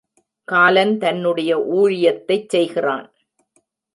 காலன் தன்னுடைய ஊழியத்தைச் செய்கிறான்.